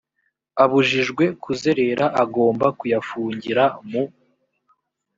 abujijwe kuzerera agomba kuyafungira mu